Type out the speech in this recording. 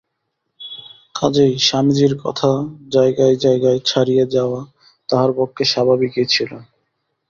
কাজেই স্বামীজীর কথা জায়গায় জায়গায় ছাড়িয়া যাওয়া তাঁহার পক্ষে স্বাভাবিকই ছিল।